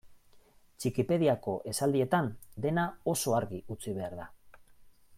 Txikipediako esaldietan dena oso argi utzi behar da.